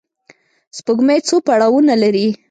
سپوږمۍ څو پړاوونه لري